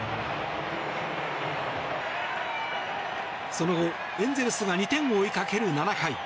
その後、エンゼルスが２点を追いかける７回。